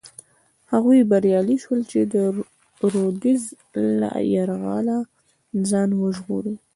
هغوی بریالي شول چې د رودز له یرغله ځان وژغوري.